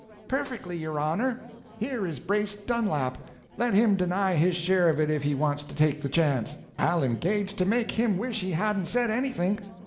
"Perfectly, your honor. Here is Brace Dunlap—let him deny his share of it if he wants to take the chance; I'll engage to make him wish he hadn't said anything......